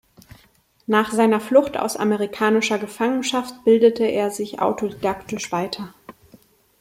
Nach seiner Flucht aus amerikanischer Gefangenschaft bildete er sich autodidaktisch weiter.